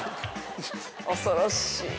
恐ろしい。